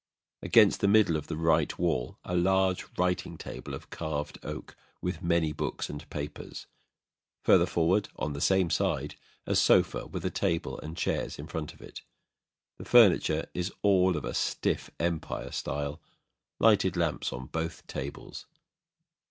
Against the middle of the right wall, a large writing table of carved oak, with many books and papers. Further forward on the same side, a sofa with a table and chairs in front of it. The furniture is all of a stiff Empire style. Lighted lamps on both tables.